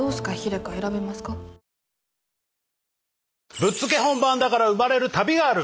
ぶっつけ本番だから生まれる旅がある。